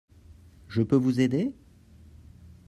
Je peux vous aider ?